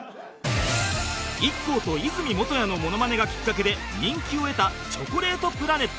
ＩＫＫＯ と和泉元彌のモノマネがきっかけで人気を得たチョコレートプラネット